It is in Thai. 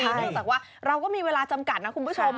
เนื่องจากว่าเราก็มีเวลาจำกัดนะคุณผู้ชม